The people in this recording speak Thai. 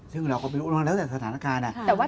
ซึ่งเราก็ไม่รู้มันแล้วแต่สถานการณ์